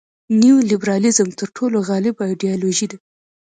نیولیبرالیزم تر ټولو غالبه ایډیالوژي ده.